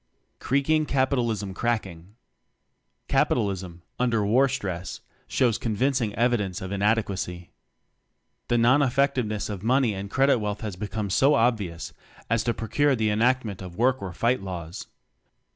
Creaking Capitalism Cracking. Capitalism under war stress shows convincing evidence of in adequacy. The non effectiveness of money and credit wealth has be come so obvious as to procure the enactment of "Work or Fight" laws.